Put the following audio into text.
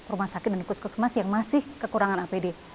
rumah sakit dan kus kus emas yang masih kekurangan apd